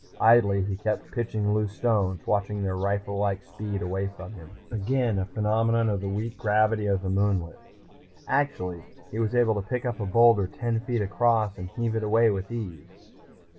Idly, he kept pitching loose stones, watching their rifle like speed away from him. Again a phenomenon of the weak gravity of the moonlet. Actually, he was able to pick up a boulder ten feet across and heave it away with ease.